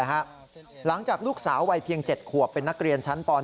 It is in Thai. หลังจากลูกสาววัยเพียง๗ขวบเป็นนักเรียนชั้นป๔